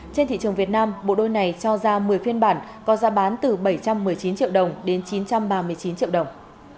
trên thị trường việt nam bộ đôi này cho ra một mươi phiên bản có giá bán từ bảy trăm một mươi chín triệu đồng đến chín trăm ba mươi chín triệu đồng